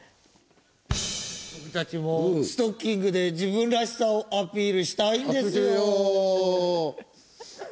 僕たちもストッキングで自分らしさをアピールしたいんですよー！